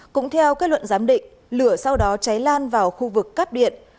cũng theo kết luận giám định lửa sau đó cháy lan vào khu vực cắp điện